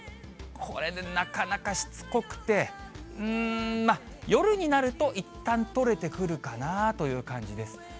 これね、なかなかしつこくて、うーん、夜になるといったん取れてくるかなぁという感じです。